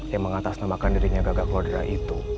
yang mengatasnamakan dirinya gagak kodira itu